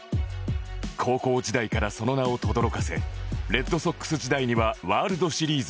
高校時代からその名をとどろかせレッドソックス時代にはワールドシリーズ優勝